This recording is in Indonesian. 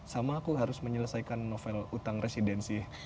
sama aku harus menyelesaikan novel utang residensi